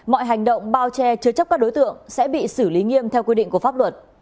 mọi hành động bao che chứa chấp các đối tượng sẽ bị xử lý nghiêm theo quy định của pháp luật